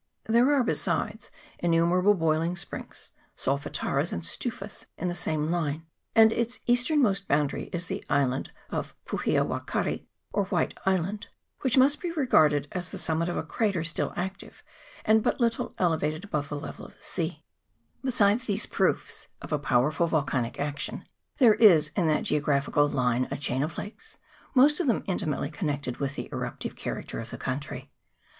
There are besides innumer able boiling springs, solfataras, and stufas, in the same line, and its easternmost boundary is the island of Puhia i wakari, or White Island, which must be regarded as the summit of a crater, sti 1 active, and but little elevated above the level of the VOL. i. z 338 LAKES AND RIVERS. [PART 11. sea. Besides these proofs of a powerful volcanic action, there is in that geographical line a chain of lakes, most of them intimately connected with the eruptive character of the country.